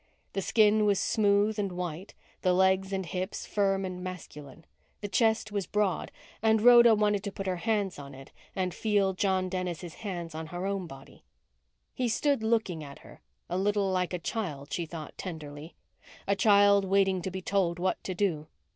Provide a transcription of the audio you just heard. The skin was smooth and white, the legs and hips firm and masculine. The chest was broad and Rhoda wanted to put her hands on it and feel John Dennis' hands on her own body. He stood looking at her, a little like a child, she thought tenderly; a child waiting to be told what to do.